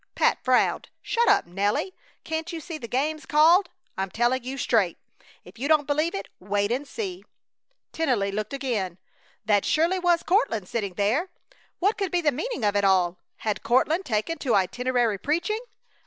Pat frowned. "Shut up, Nelly. Can't you see the game's called? I'm telling you straight. If you don't believe it wait and see." Tennelly looked again. That surely was Courtland sitting there. What could be the meaning of it all? Had Courtland taken to itinerary preaching?